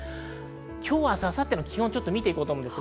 今日、明日、明後日の気温をみていきます。